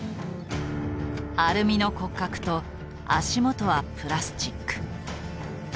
アルミの骨格と足元はプラスチック。